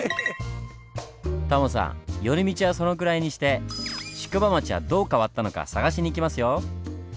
タモさん寄り道はそのくらいにして宿場町はどう変わったのか探しに行きますよ！